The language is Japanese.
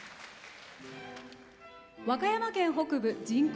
和歌山県北部人口